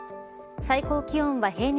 最高気温は平年